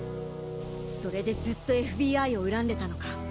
それでずっとＦＢＩを恨んでたのか。